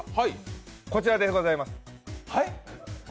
こちらでございます。